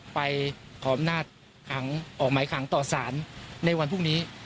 ไปออกหมายขังต่อสารในวันพรุ่งนี้